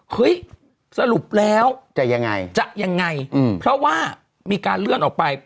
เฮ้ยสรุปแล้วจะยังไงจะยังไงเพราะว่ามีการเลื่อนออกไป